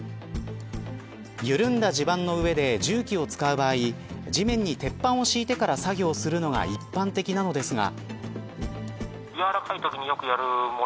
緩んだ地盤の上で重機を使う場合地面に鉄板をひいてから作業をするのが一般的なのですが。